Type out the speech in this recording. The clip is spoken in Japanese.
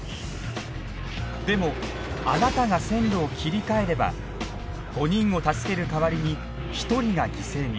でもあなたが線路を切り替えれば５人を助ける代わりに１人が犠牲に。